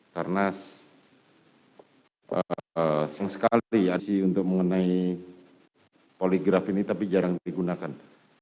karena sengskali adisi untuk mengenai poligraf ini tapi jarang digunakan